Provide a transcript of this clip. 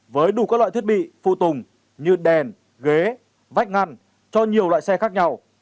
với đủ các loại thiết bị phụ tùng như đèn ghế vách ngăn cho nhiều loại xe khác nhau